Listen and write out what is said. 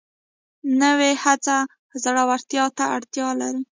نوې هڅه زړورتیا ته اړتیا لري